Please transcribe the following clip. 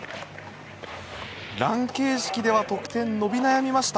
ラン形式では得点伸び悩みました。